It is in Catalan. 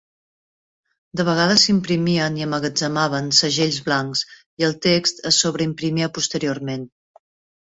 De vegades s'imprimien i emmagatzemaven segells blancs i el text es sobreimprimia posteriorment.